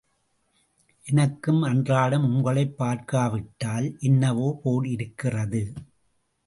எனக்கும் அன்றாடம் உங்களைப் பார்க்காவிட்டால் என்னவோ போலிருக்கிறது.